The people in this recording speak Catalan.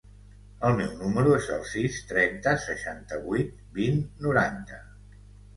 El meu número es el sis, trenta, seixanta-vuit, vint, noranta.